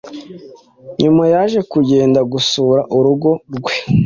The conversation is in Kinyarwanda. Nyuma yaje kugenda gusura urugo rwe